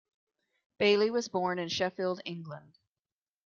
Bailey was born in Sheffield, England.